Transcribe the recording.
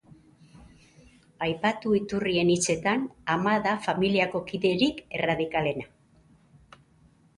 Aipatu iturrien hitzetan, ama da familiako kiderik erradikalena.